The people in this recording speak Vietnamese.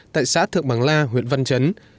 tại xã thượng bằng la huyện văn chấn